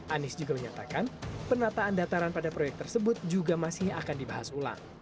anies juga menyatakan penataan dataran pada proyek tersebut juga masih akan dibahas ulang